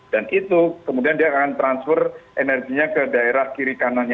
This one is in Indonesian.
dan itu kemudian dia akan transfer energinya ke daerah kiri kanannya